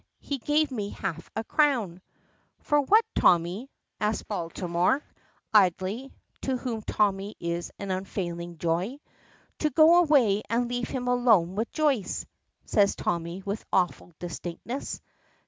He gave me half a crown." "For what, Tommy?" asks Baltimore, idly, to whom Tommy is an unfailing joy. "To go away and leave him alone with Joyce," says Tommy, with awful distinctness.